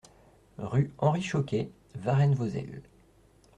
Rue Henri Choquet, Varennes-Vauzelles